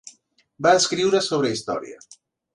Va escriure sobre història.